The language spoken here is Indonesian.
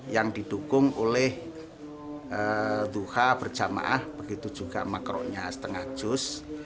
yang didukung oleh duha berjamaah begitu juga makronya setengah juz